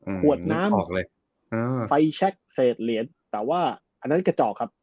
อืมขวดน้ำอืมไฟแช็คเสดเหรียญแต่ว่าอันนั้นกระจอกครับ